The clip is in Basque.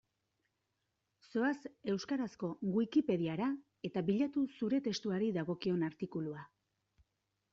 Zoaz euskarazko Wikipediara eta bilatu zure testuari dagokion artikulua.